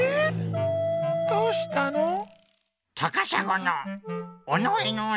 どうしたの？